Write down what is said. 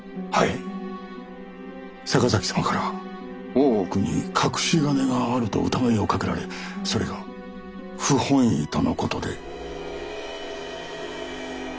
坂崎様から大奥に隠し金があると疑いをかけられそれが不本意とのことで。